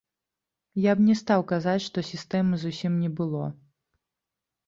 Я б не стаў казаць, што сістэмы зусім не было.